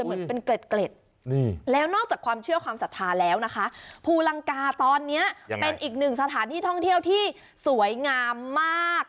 เหมือนเป็นเกร็ดแล้วนอกจากความเชื่อความศรัทธาแล้วนะคะภูลังกาตอนนี้เป็นอีกหนึ่งสถานที่ท่องเที่ยวที่สวยงามมาก